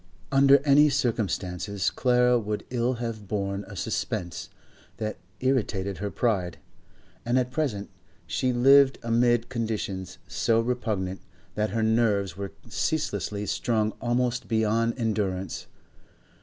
Under any circumstances Clara would ill have borne a suspense that irritated her pride, and at present she lived amid conditions so repugnant, that her nerves were ceaselessly strung almost beyond endurance.